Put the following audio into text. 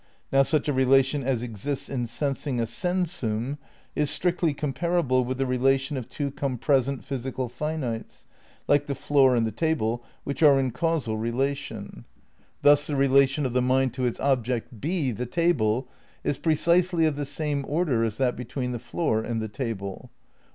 ^ "Now such a relation as exists in sensing a sensum is strictly comparable with the relation of two compresent physical finites, like the floor and the table, which are in causal relation." '^ Space, Time and Deity, Vol. II, p. 82. 'The same, p. 83. 196 THE NEW IDEALISM v "Thus the relation of the mind to its object 6 the table is pre cisely of the same order as that between the floor and the table.